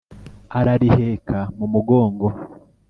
arariheka mu mugongo.